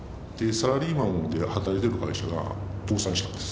サラリーマンで働いてた会社が倒産したんです。